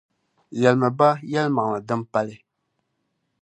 Yεlimi ba yεlimaŋli din pali.